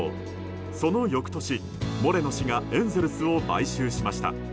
その翌年、モレノ氏がエンゼルスを買収しました。